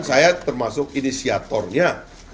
saya termasuk inisiatornya